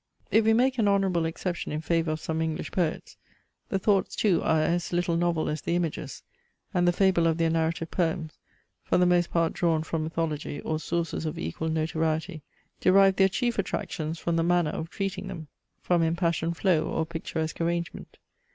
If we make an honourable exception in favour of some English poets, the thoughts too are as little novel as the images; and the fable of their narrative poems, for the most part drawn from mythology, or sources of equal notoriety, derive their chief attractions from the manner of treating them; from impassioned flow, or picturesque arrangement.